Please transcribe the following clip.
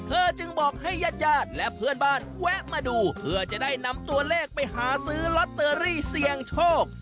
จึงบอกให้ญาติญาติและเพื่อนบ้านแวะมาดูเพื่อจะได้นำตัวเลขไปหาซื้อลอตเตอรี่เสี่ยงโชค